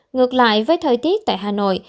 ngược lại với thời tiết tại hà nội